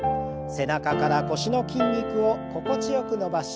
背中から腰の筋肉を心地よく伸ばし